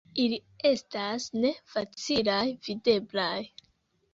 Ili estas ne facilaj videblaj.